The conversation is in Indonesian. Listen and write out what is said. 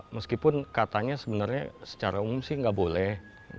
meskipun katanya sebenarnya secara umum sih nggak boleh